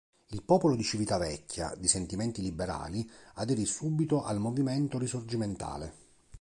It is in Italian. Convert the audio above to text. Il popolo di Civitavecchia, di sentimenti liberali, aderì subito al movimento risorgimentale.